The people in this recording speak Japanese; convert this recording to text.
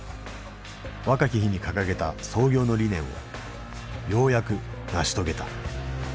若き日に掲げた創業の理念をようやく成し遂げた。